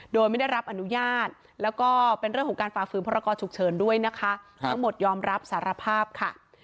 โดยไม่ได้รับอนุญาตแล้วก็เป็นเรื่องของการฝ่าฝืนพรกรฉุกเฉินด้วยนะคะทั้งหมดยอมรับสารภาพค่ะ